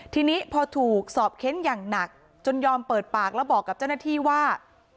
ทีนี้พอถูกสอบเค้นอย่างหนักจนยอมเปิดปากแล้วบอกกับเจ้าหน้าที่ว่า